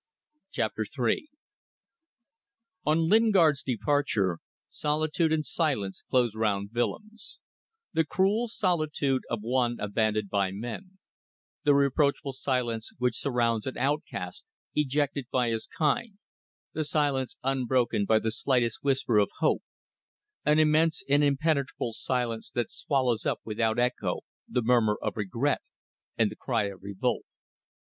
CHAPTER THREE On Lingard's departure solitude and silence closed round Willems; the cruel solitude of one abandoned by men; the reproachful silence which surrounds an outcast ejected by his kind, the silence unbroken by the slightest whisper of hope; an immense and impenetrable silence that swallows up without echo the murmur of regret and the cry of revolt.